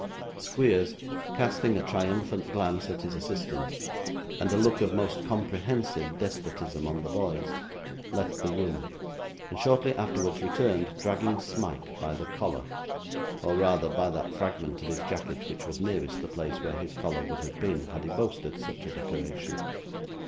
Squeers, casting a triumphant glance at his assistant and a look of most comprehensive despotism on the boys, left the room, and shortly afterwards returned, dragging Smike by the collar or rather by that fragment of his jacket which was nearest the place where his collar would have been, had he boasted such a decoration.